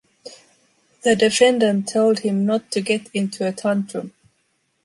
The defendant told him not to get into a tantrum.